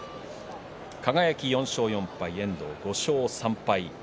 輝４勝４敗、遠藤５勝３敗。